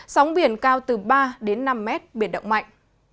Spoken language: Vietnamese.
sóng biển cao từ ba đến năm mét biển động mạnh